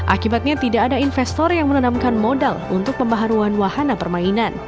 akibatnya tidak ada investor yang menanamkan modal untuk pembaharuan wahana permainan